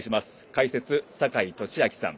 解説・坂井利彰さん